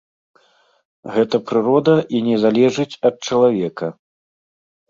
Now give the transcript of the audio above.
Гэта прырода і не залежыць ад чалавека.